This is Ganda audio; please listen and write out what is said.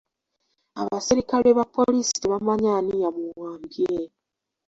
Abaserikale ba poliisi tebamanyi ani yamuwambye.